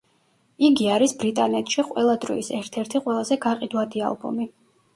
იგი არის ბრიტანეთში ყველა დროის ერთ-ერთი ყველაზე გაყიდვადი ალბომი.